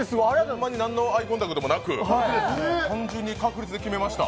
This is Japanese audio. ホンマに何のアイコンタクトもなく、単純に確率で決めました。